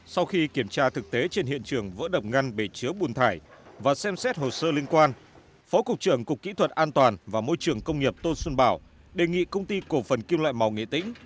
sau khi kiểm tra thực tế trên hiện trường vỡ đập ngăn bể chứa bùn thải và xem xét hồ sơ liên quan phó cục trưởng cục kỹ thuật an toàn và môi trường công nghiệp tô xuân bảo đề nghị công ty cổ phần kim loại màu nghệ tĩnh